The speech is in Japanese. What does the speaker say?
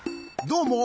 どうも。